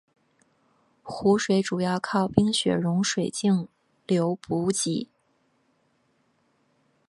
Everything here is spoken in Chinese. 湖水主要靠冰雪融水径流补给。